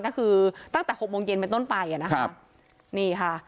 ก็คือตั้งแต่๖โมงเย็นไปต้นไปนี่ค่ะ